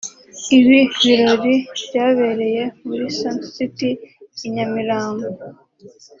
Ibi birori byabereye muri Sun City i Nyamirambo